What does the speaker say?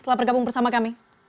telah bergabung bersama kami